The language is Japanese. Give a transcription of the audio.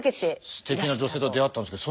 ステキな女性と出会ったんですけど